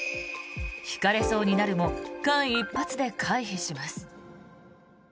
ひかれそうになるも間一髪で回避します。